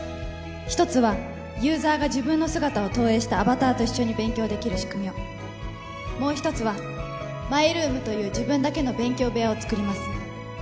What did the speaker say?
一つはユーザーが自分の姿を投影したアバターと一緒に勉強できる仕組みをもう一つはマイルームという自分だけの勉強部屋を作ります